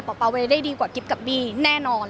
ป๊าเวย์ได้ดีกว่ากิ๊บกับบี้แน่นอน